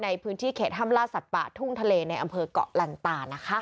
ในพื้นที่เขตห้ามล่าสัตว์ป่าทุ่งทะเลในอำเภอกเกาะลันตานะคะ